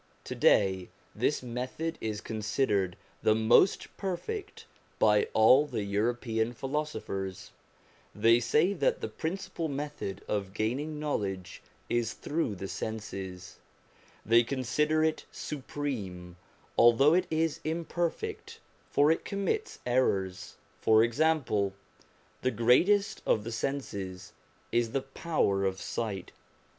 To day this method is considered the most perfect by all the European philosophers ; they say that the principal method of gaining knowledge is through the senses; they consider it supreme, although it is imperfect, for it commits errors. For example, the greatest of the senses is the power of sight.